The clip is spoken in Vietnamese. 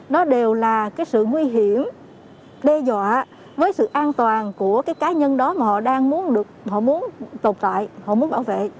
nó đều là cái sự nguy hiểm đe dọa với sự an toàn của cái cá nhân đó mà họ đang muốn tồn tại họ muốn bảo vệ